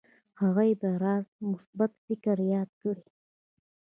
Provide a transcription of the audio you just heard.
هغوی به يې راز مثبت فکر ياد کړي.